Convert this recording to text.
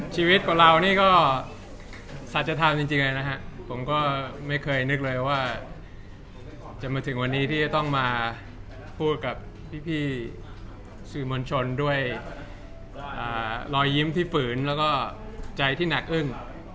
ชีวิตของเรานี่ก็สัจธรรมจริงเลยนะฮะผมก็ไม่เคยนึกเลยว่าจะมาถึงวันนี้ที่จะต้องมาพูดกับพี่สื่อมวลชนด้วยรอยยิ้มที่ฝืนแล้วก็ใจที่หนักอึ้ง